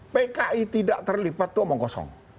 pki tidak terlipat itu omong kosong